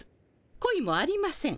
恋もありません。